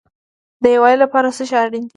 د یووالي لپاره څه شی اړین دی؟